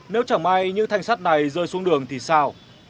nếu chẳng may những thanh sắt này rơi xuống đường thì sao